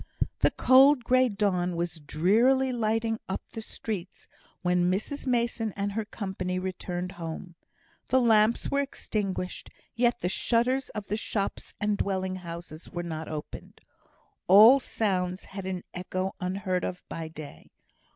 The cold grey dawn was drearily lighting up the streets when Mrs Mason and her company returned home. The lamps were extinguished, yet the shutters of the shops and dwelling houses were not opened. All sounds had an echo unheard by day.